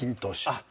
あっ。